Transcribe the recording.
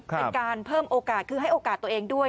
เป็นการเพิ่มโอกาสคือให้โอกาสตัวเองด้วย